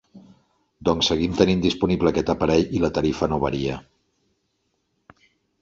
Doncs seguim tenint disponible aquest aparell i la tarifa no varia.